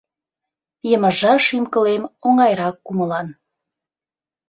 Йымыжа шӱм-кылем Оҥайрак кумылан.